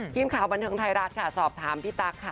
ทีมข่าวบันเทิงไทยรัฐค่ะสอบถามพี่ตั๊กค่ะ